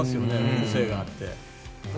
個性があって。